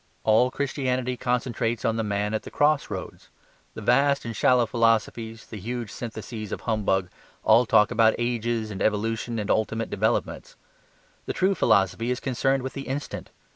All Christianity concentrates on the man at the cross roads. The vast and shallow philosophies, the huge syntheses of humbug, all talk about ages and evolution and ultimate developments. The true philosophy is concerned with the instant.